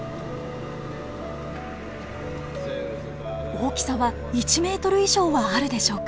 大きさは１ｍ以上はあるでしょうか。